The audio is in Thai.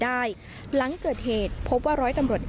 แล้วมันกำลังกลายเปลี่ยนแล้วมันกำลังกลายเปลี่ยน